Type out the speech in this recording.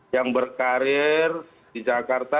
yang berkarir di jakarta